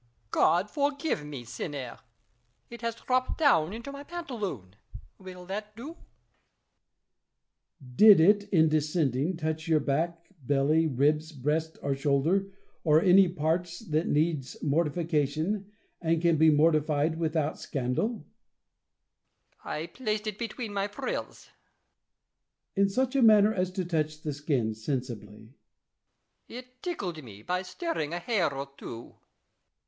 Louis. God forgive me, sinner ! It has dropped down into my pantaloon : will that do 1 La Chaise. Did it, in descending, touch your back, belly, ribs, breast, or shoulder, or any parts that needs mortifica tion, and can be mortified without scandal ? Louis. I placed it between my frills. La Chaise. In such manner as to touch the skin sensibly ? Louis. It tickled me, by stirring a hair or two.